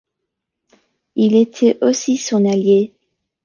Il était aussi son allié.